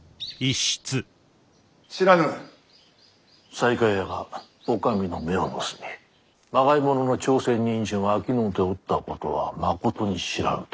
西海屋がお上の目を盗みまがい物の朝鮮人参を商うておったことはまことに知らぬと？